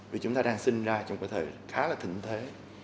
vì chúng ta đang sinh ra trong cơ thể khá là thịnh thế